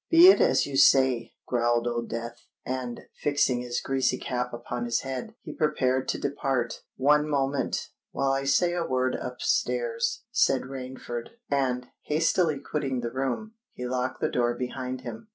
"Be it as you say," growled Old Death; and, fixing his greasy cap upon his head, he prepared to depart. "One moment—while I say a word up stairs," said Rainford; and, hastily quitting the room, he locked the door behind him.